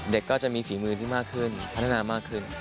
ก็จะมีฝีมือที่มากขึ้นพัฒนามากขึ้น